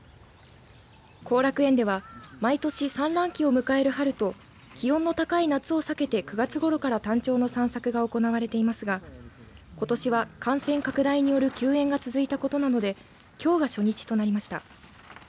後楽園では毎年産卵期を迎える春と気温の高い夏を避けて９月ごろからタンチョウの散策が行われていますがことしは感染拡大による休園が続いたことなどできょうが初日となりました。